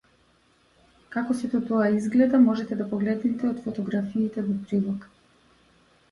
Како сето тоа изгледа можете да погледнете од фотографиите во прилог.